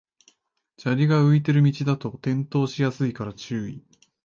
砂利が浮いてる道だと転倒しやすいから注意